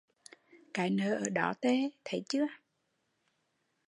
Cái nớ ở đó tề, thấy chưa?